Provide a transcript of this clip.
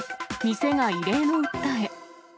店が異例の訴え。